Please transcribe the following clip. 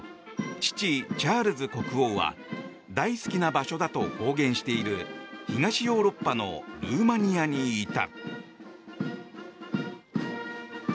父チャールズ国王は大好きな場所だと公言している東ヨーロッパのルーマニアにいた。